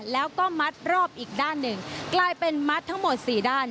แล้วก็มัดรอบอีกด้านหนึ่งกลายเป็นมัดทั้งหมดสี่ด้าน